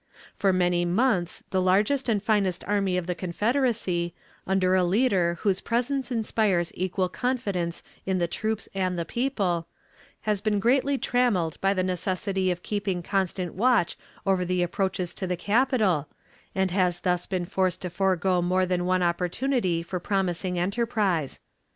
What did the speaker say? For many months the largest and finest army of the Confederacy, under a leader whose presence inspires equal confidence in the troops and the people, has been greatly trammeled by the necessity of keeping constant watch over the approaches to the capital, and has thus been forced to forego more than one opportunity for promising enterprise.